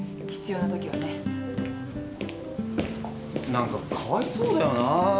何かかわいそうだよなあ。